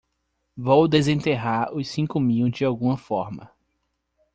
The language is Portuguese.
Vou desenterrar os cinco mil de alguma forma.